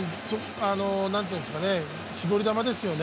絞り球ですよね